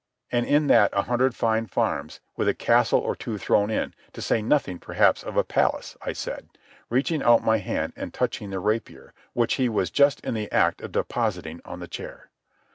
"And in that a hundred fine farms, with a castle or two thrown in, to say nothing, perhaps, of a palace," I said, reaching out my hand and touching the rapier which he was just in the act of depositing on the chair.